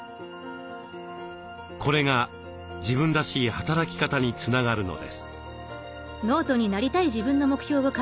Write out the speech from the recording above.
これが自分らしい働き方につながるのです。